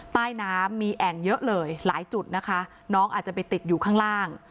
ใต้น้ำมีแอ่งเยอะเลยหลายจุดนะคะน้องอาจจะไปติดอยู่ข้างล่าง